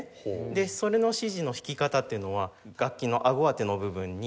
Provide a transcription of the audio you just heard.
でそれの指示の弾き方っていうのは楽器のあご当ての部分に。